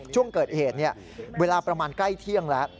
ช่วงเกิดเหตุเวลาประมาณใกล้เที่ยงแล้ว